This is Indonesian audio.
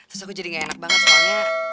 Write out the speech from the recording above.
terus aku jadi gak enak banget soalnya